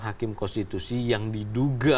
hakim konstitusi yang diduga